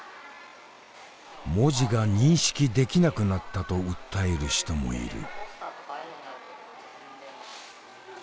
文字が認識できなくなったと訴える人もいる。